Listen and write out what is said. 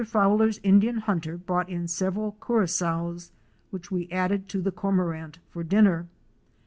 Fowler's Indian hunter brought in several Curassows which we added to the Cormorant for dinner.